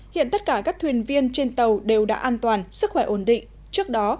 hiện tất cả các thuyền viên trên tàu đều đã an toàn sức khỏe ổn định trước đó